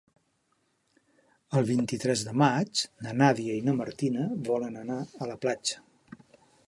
El vint-i-tres de maig na Nàdia i na Martina volen anar a la platja.